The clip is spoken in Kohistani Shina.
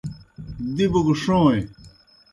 دِبوْ گہ ݜوئیں۔